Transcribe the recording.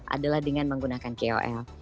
adalah dengan menggunakan kol